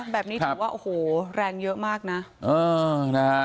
แบบนี้ถือว่าโอ้โหแรงเยอะมากนะ